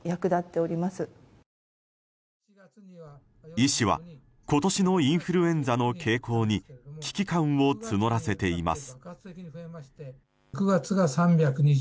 医師は今年のインフルエンザの傾向に危機感を募らせています。